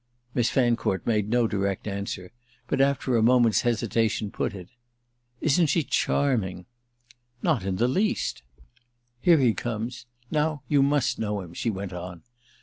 Miss Fancourt made no direct answer, but after a moment's hesitation put it: "Isn't she charming?" "Not in the least!" "Here he comes. Now you must know him," she went on.